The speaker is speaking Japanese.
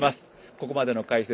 ここまでの解説